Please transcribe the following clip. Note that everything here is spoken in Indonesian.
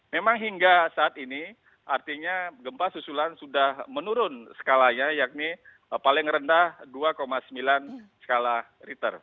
memang hingga saat ini artinya gempa susulan sudah menurun skalanya yakni paling rendah dua sembilan skala riter